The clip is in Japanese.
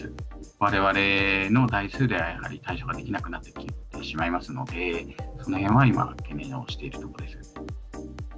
われわれの台数ではやはり対処ができなくなってきてしまいますので、そのへんを今、懸念しているところです。